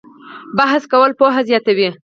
بحث کول پوهه زیاتوي